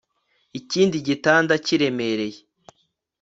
Iki gitanda kiremereye